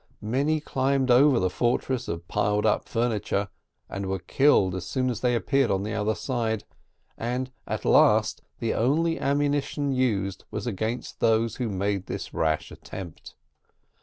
Many climbed over the fortress of piled up furniture, and were killed as soon as they appeared on the other side, and, at last, the only ammunition used was against those who made this rash attempt.